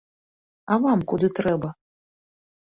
А вам куды трэба?